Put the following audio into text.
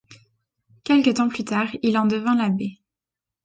Quelque temps plus tard, il en devint l'Abbé.